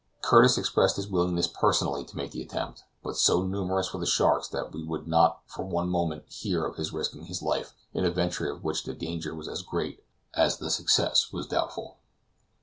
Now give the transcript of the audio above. Curtis expressed his willingness personally to make the attempt, but so numerous were the sharks that we would not for one moment hear of his risking his life in a venture of which the danger was as great as the success was doubtful.